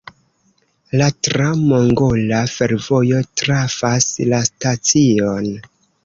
La tra-mongola fervojo trafas la stacion.